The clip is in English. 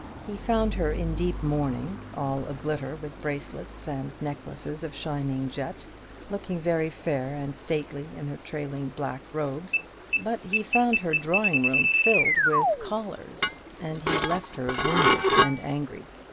He found her in deep mourning; all a glitter with bracelets and necklaces of shining jet; looking very fair and stately in her trailing black robes; but he found her drawing room filled with callers, and he left her wounded and angry.